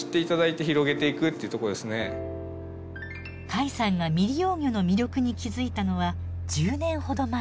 甲斐さんが未利用魚の魅力に気付いたのは１０年ほど前。